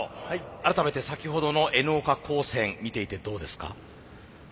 改めて先ほどのＮ岡高専見ていてどうですか？